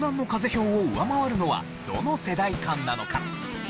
票を上回るのはどの世代間なのか？